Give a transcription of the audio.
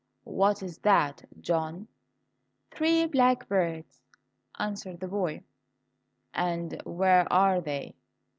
"What is that, John?" "Three blackbirds," answered the boy. "And where are they?"